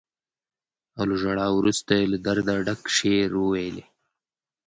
او له ژړا وروسته یې له درده ډک شعر وويلې.